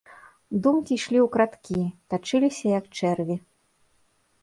Думкі ішлі ўкрадкі, тачыліся, як чэрві.